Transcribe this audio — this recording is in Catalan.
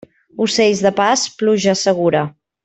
Ocells de pas, pluja segura.